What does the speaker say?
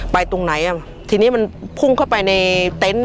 ไปตรงไหนทีนี้มันพุ่งเข้าไปตรงรายใจตอนนี้